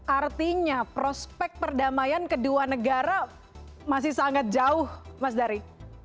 artinya prospek perdamaian kedua negara masih sangat jauh mas dari